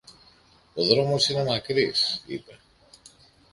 Ο δρόμος είναι μακρύς, είπε.